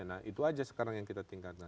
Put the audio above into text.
nah itu aja sekarang yang kita tingkatkan